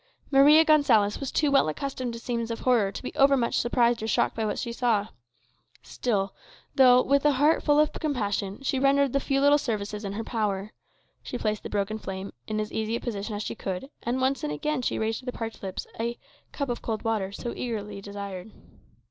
Maria Gonsalez was too well accustomed to scenes of horror to be over much surprised or shocked by what she saw. Silently, though with a heart full of compassion, she rendered the few little services in her power. She placed the broken frame in as easy a position as she could, and once and again she raised to the parched lips the "cup of cold water" so eagerly desired.